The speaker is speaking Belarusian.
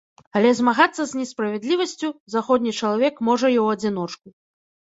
Але змагацца з несправядлівасцю заходні чалавек можа і ў адзіночку.